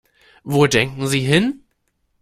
Wo denken Sie hin?